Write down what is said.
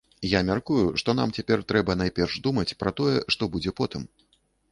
Я мяркую, што нам цяпер трэба найперш думаць пра тое, што будзе потым.